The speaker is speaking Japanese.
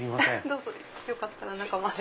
どうぞよかったら中まで。